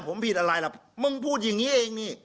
ผมผิดอะไรล่ะมึงพูดอย่างนี้เองนี่